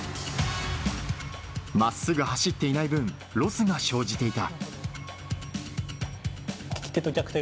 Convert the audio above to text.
真っすぐ走っていない分ロスが生じていた。